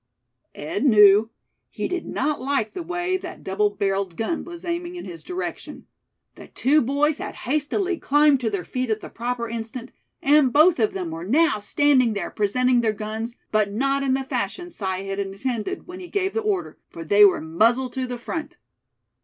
Ed knew. He did not like the way that double barreled gun was aiming in his direction. The two boys had hastily climbed to their feet at the proper instant; and both of them were now standing there, presenting their guns, but not in the fashion Si had intended when he gave the order, for they were "muzzle to the front."